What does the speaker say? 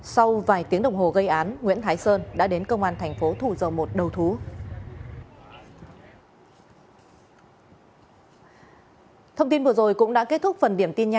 sau vài tiếng đồng hồ gây án nguyễn thái sơn đã đến công an thành phố thủ dầu một đầu thú